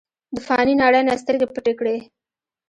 د فانې نړۍ نه سترګې پټې کړې ۔